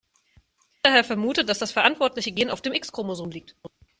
Es wird daher vermutet, dass das verantwortliche Gen auf dem X-Chromosom liegt.